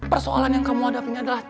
persoalan yang kamu hadapi adalah